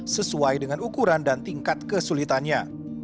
sesuai dengan ukuran dan tingkat kesulitannya